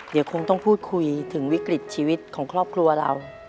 เดี๋ยวคงต้องพูดคุยถึงวิกฤตชีวิตของครอบครัวเรา